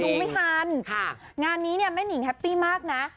ไม่ทันงานนี้เนี่ยแม่นิงแฮปปี้มากนะ